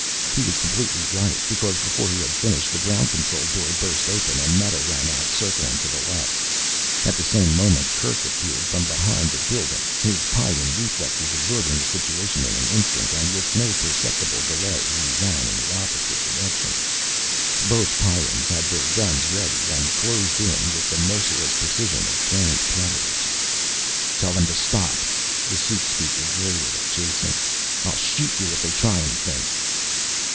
He was completely right because before he had finished the ground control door burst open and Meta ran out, circling to the left. At the same moment Kerk appeared from behind the building, his Pyrran reflexes absorbing the situation in an instant and with no perceptible delay he ran in the opposite direction. Both Pyrrans had their guns ready and closed in with the merciless precision of trained predators. "Tell them to stop," the suit speaker grated at Jason. "I'll shoot you if they try anything."